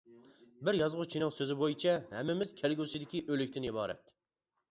بىر يازغۇچىنىڭ سۆزى بويىچە ھەممىمىز كەلگۈسىدىكى ئۆلۈكتىن ئىبارەت.